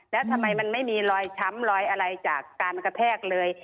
แล้วทำไมมันไม่มีรอยช้ำรอยอะไรจากการกระแทกเลย